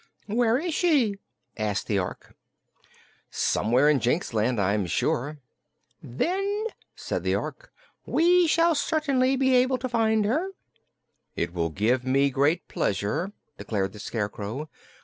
"Where is she?" asked the Ork. "Somewhere in Jinxland, I'm sure." "Then," said the Ork, "we shall certainly be able to find her." "It will give me great pleasure," declared the Scarecrow.